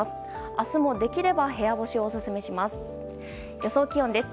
明日もできれば部屋干しをオススメします。